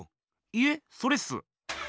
いえそれっす。